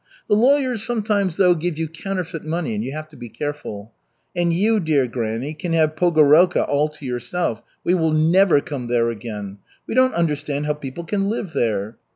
The lawyers sometimes, though, give you counterfeit money, and you have to be careful. And you, dear granny, can have Pogorelka all to yourself, we will never come there again, we don't understand how people can live there.